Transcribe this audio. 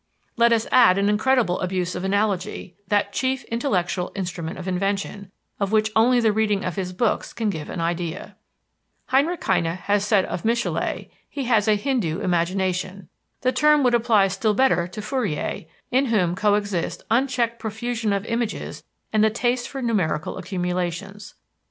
Let us add an incredible abuse of analogy, that chief intellectual instrument of invention, of which only the reading of his books can give an idea. Heinrich Heine said of Michelet, "He has a Hindoo imagination." The term would apply still better to Fourier, in whom coexist unchecked profusion of images and the taste for numerical accumulations.